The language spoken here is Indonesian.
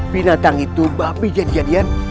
binatang itu babi jadian jadian